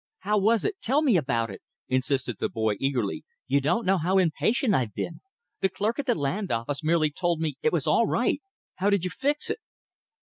"How was it? Tell me about it!" insisted the boy eagerly. "You don't know how impatient I've been. The clerk at the Land Office merely told me it was all right. How did you fix it?"